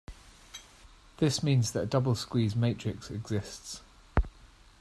This means that a double squeeze matrix exists.